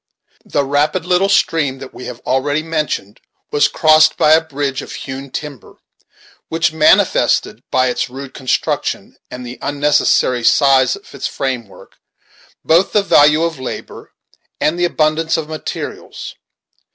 The rapid little stream that we have already mentioned was crossed by a bridge of hewn timber, which manifested, by its rude construction and the unnecessary size of its framework, both the value of Labor and the abundance of materials.